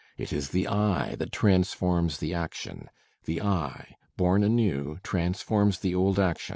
It is the eye that transforms the action. The eye, born anew, transforms the old action.